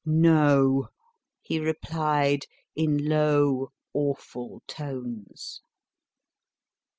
No, he replied in low, awful tones.